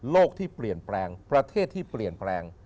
ที่เปลี่ยนแปลงประเทศที่เปลี่ยนแปลง